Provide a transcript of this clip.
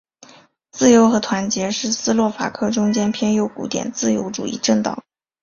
自由和团结是斯洛伐克中间偏右古典自由主义政党。